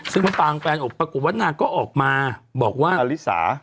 ซึ่งมะปางแฟนออกปรากฏว่านางก็ออกมาบอกว่าอลิสา